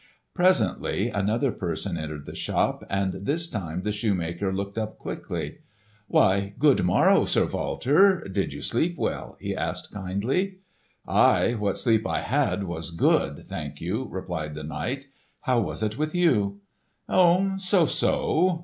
Presently another person entered the shop, and this time the shoemaker looked up quickly. "Why good morrow, Sir Walter. Did you sleep well?" he asked kindly. "Aye, what sleep I had was good, and thank you," replied the knight. "How was it with you?" "Oh, so, so!